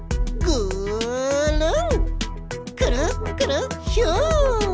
くるっくるっひゅん！